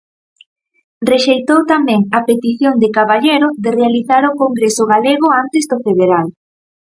Rexeitou tamén a petición de Caballero de realizar o congreso galego antes do Federal.